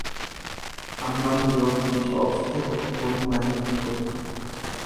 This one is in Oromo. Ammam yoo fincoofte lukkuun mana hin kuttu.